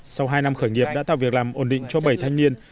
sau hai năm khởi nghiệp đã tạo việc làm ổn định cho bảy thanh niên